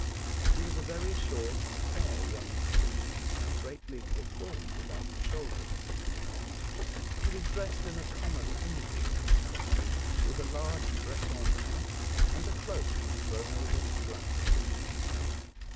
He was a very short fair young The Hunchback of Mont St. Gabriel. 3 man, greatly deformed about the shoulders. He was dressed in a common ouvrier^s cos tume, with a large Breton hat and a cloak thrown over his blouse.